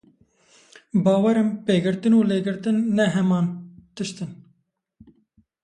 Bawer im pêgirtin û lêgirtin ne heman tişt in.